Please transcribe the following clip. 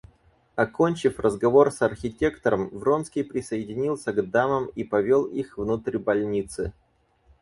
Окончив разговор с архитектором, Вронский присоединился к дамам и повел их внутрь больницы.